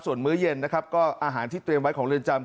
ส่วนมื้อเย็นนะครับก็อาหารที่เตรียมไว้ของเรือนจำ